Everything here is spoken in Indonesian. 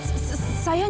dia pasti menang